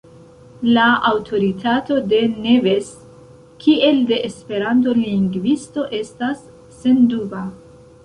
La aŭtoritato de Neves kiel de Esperanto-lingvisto estas senduba.